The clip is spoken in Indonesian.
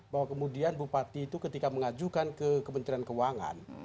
bahwa kemudian bupati itu ketika mengajukan ke kementerian keuangan